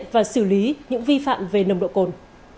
và xử lý những vi phạm về nồng độ cồn